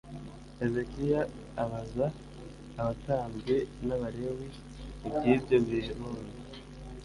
hezekiya abaza abatambyi n abalewi iby ibyo birundo